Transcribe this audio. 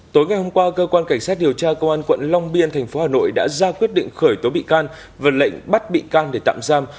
tối ngày hôm qua cơ quan cảnh sát điều tra công an quận long biên tp hà nội đã ra quyết định khởi tố bị can và lệnh bắt bị can để tạm giam